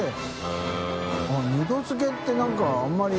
悗А舛叩二度づけって何かあんまり。